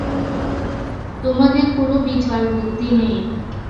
তোমাদের কোনো বিচার-বুদ্ধি নেই!